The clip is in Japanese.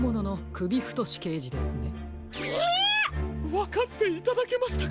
わかっていただけましたか！